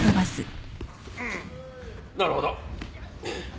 なるほど。